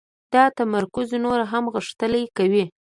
دا تمرکز نور هم غښتلی کوي